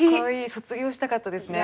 卒業したかったですね。